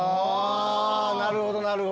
なるほどなるほど！